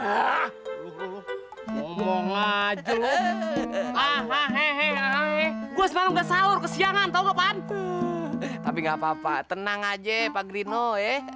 ngomong aja lo hehehe gue semalam kesal kesiangan tahu kapan tapi nggak papa tenang aja pagi noe